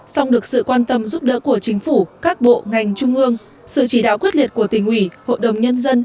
song được sự quan tâm giúp đỡ của chính phủ các bộ ngành trung ương sự chỉ đạo quyết liệt của tỉnh ủy hội đồng nhân dân